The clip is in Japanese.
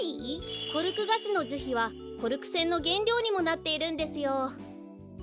コルクガシのじゅひはコルクせんのげんりょうにもなっているんですよ。